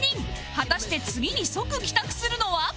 果たして次に即帰宅するのは？